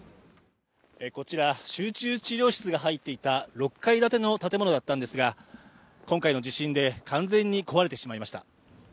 こちら集中治療室が入っていた６階建ての建物だったんですが、今回の地震で完全に壊れてしまいました。